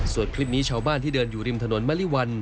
ส่วนคลิปนี้ชาวบ้านที่เดินอยู่ริมถนนมะลิวัน